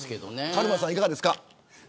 カルマさんいかがですか。